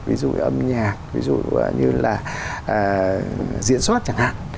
ví dụ như là âm nhạc ví dụ như là diễn xuất chẳng hạn